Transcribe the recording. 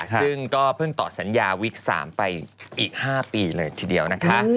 ซึ่งก็เพิ่งต่อสัญญาวิก๓ไปอีก๕ปีเลยทีเดียวนะคะ